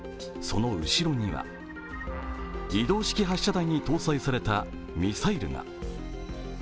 その後ろには移動式発射台に搭載されたミサイルが。